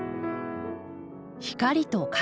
光と影。